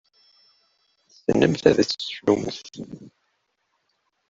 Tessnemt ad tecnumt.